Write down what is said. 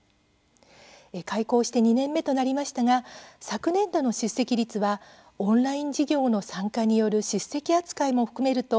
開校して２年目となりましたが昨年度の出席率はオンライン授業の参加による出席扱いも含めると、８５．４％。